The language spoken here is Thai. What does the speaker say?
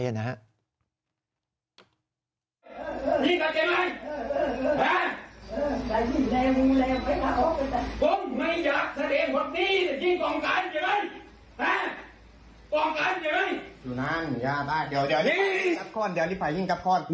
ต้องขอจริง